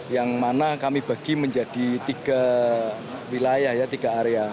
yang mana kami bagi menjadi tiga wilayah ya tiga area